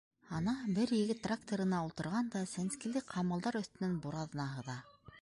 Ана, бер егет тракторына ултырған да сәнскеле ҡамылдар өҫтөнән бураҙна һыҙа.